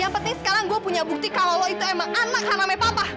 yang penting sekarang gua ada bukti kalo lo itu emang anak hana mepapa